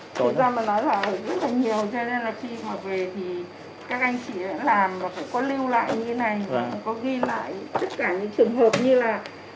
có ghi lại tất cả những trường hợp như là